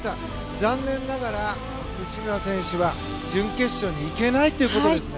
残念ながら西村選手は準決勝に行けないということですね。